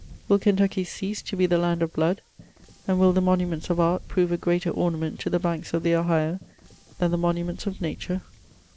Will Kentucky cease to be the " land of blood," and will the monuments of art prove a greater ornament to the banks of the Ohio than the monuments of nature?